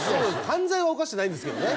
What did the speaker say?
犯罪は犯してないんですけどね